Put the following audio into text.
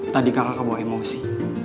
tadi kakak kebawa emosi